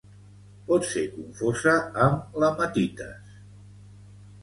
Pot ser confosa amb l'hematites.